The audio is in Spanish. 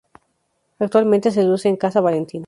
Actualmente se luce en "Casa Valentina".